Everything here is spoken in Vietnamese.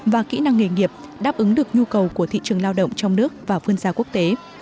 và kỹ năng nghề nghiệp đáp ứng được nhu cầu của thị trường lao động trong nước và phương gia quốc tế